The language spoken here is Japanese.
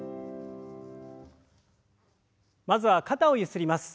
まずは肩をゆすります。